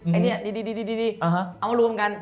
ไอ้เนี่ยดีเอามารวมกัน